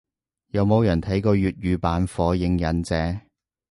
有冇人睇過粵語版火影忍者？